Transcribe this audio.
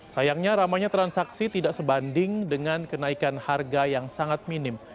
sayangnya ramainya transaksi tidak sebanding dengan kenaikan harga yang sangat minim